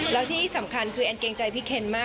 แล้วที่สำคัญคือแอนเกรงใจพี่เคนมาก